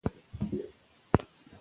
که علم په پښتو وي، نو پوهه به پیاوړې سي.